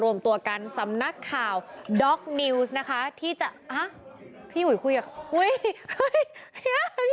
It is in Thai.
รวมตัวกันสำนักข่าวด็อกนิวส์นะคะที่จะอ่ะพี่อุ๋ยคุยกับอุ้ย